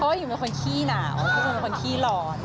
เพราะว่าอยู่บนคนขี้หนาวเข้าจนเป็นคนขี้หลอน